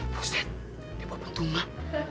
buset dia bawa buntungan